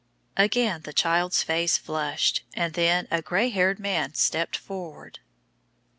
Again the child's face flushed, and then a grey haired man stepped forward.